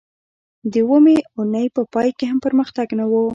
د اوومې اونۍ په پای کې هم پرمختګ نه و